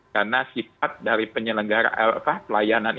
karena sifat dari penyelenggara apa pelayanan ini